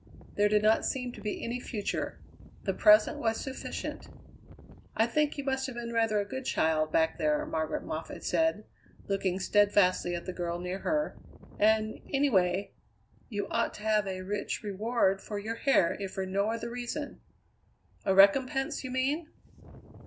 There did not seem to be any future; the present was sufficient. "I think you must have been rather a good child, back there," Margaret Moffatt said, looking steadfastly at the girl near her; "and, anyway, you ought to have a rich reward for your hair if for no other reason." "A recompense, you mean?"